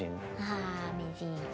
ああ名人。